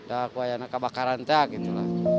aku akhirnya kebakaran teh gitu lah